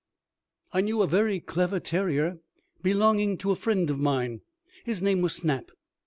I knew a very clever terrier belonging to a friend of mine. His name was Snap.